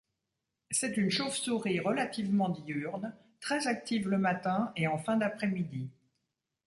C'est une chauve-souris relativement diurne, très active le matin et en fin d'après-midi.